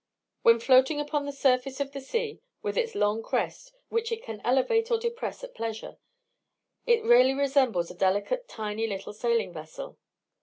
When floating upon the surface of the sea, with its long crest, which it can elevate or depress at pleasure, it really resembles a delicate tiny little sailing vessel.